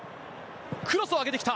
クロスを上げてきた！